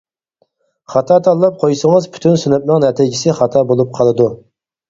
خاتا تاللاپ قويسىڭىز پۈتۈن سىنىپنىڭ نەتىجىسى خاتا بولۇپ قالىدۇ.